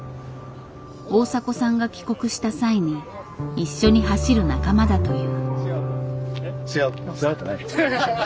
大迫さんが帰国した際に一緒に走る仲間だという。